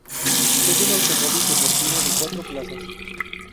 Es un automóvil deportivo de cuatro plazas.